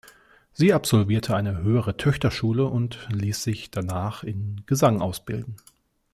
Sie absolvierte eine Höhere Töchterschule und ließ sich danach in Gesang ausbilden.